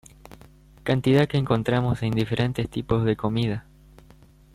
Cantidad que encontramos en diferentes tipos de comida.